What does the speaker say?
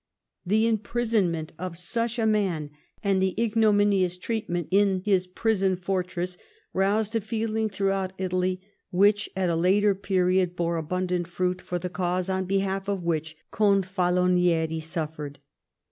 The imprisonment of such a man, and the ignominious treatment in his prison fortress, roused a feeling throughout Italy which, at a later period, bore abundant fruit for the cause on behalf of which Confalonieri suffered.